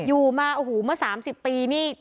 อยู่มาเมื่อ๓๐ปีนี่